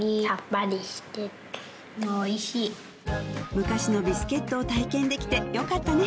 昔のビスケットを体験できて良かったね